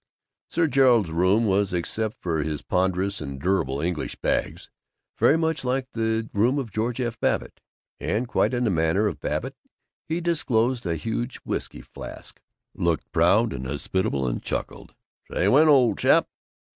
Sir Gerald's room was, except for his ponderous and durable English bags, very much like the room of George F. Babbitt; and quite in the manner of Babbitt he disclosed a huge whisky flask, looked proud and hospitable, and chuckled, "Say, when, old chap."